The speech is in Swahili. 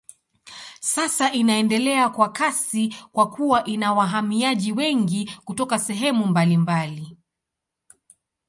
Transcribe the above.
Sasa inaendelea kwa kasi kwa kuwa ina wahamiaji wengi kutoka sehemu mbalimbali.